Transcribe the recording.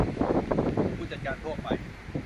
ผู้จัดการทั่วไป